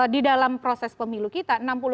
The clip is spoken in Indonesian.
di dalam proses pemilu kita